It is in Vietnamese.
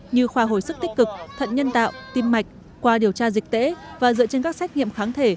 như khoa hồi sức tích cực thận nhân tạo tim mạch qua điều tra dịch tễ và dựa trên các xét nghiệm kháng thể